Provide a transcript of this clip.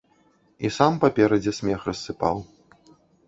І сам паперадзе смех рассыпаў.